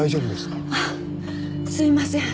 あっすいません。